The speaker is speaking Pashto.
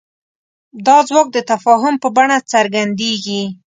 دا ځواک د تفاهم په بڼه څرګندېږي.